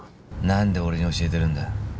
何で俺に教えてるんだ